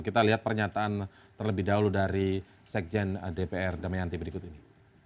kita lihat pernyataan terlebih dahulu dari sekjen dpr damayanti berikut ini